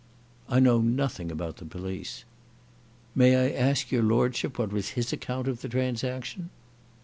"I know nothing about the police." "May I ask your lordship what was his account of the transaction."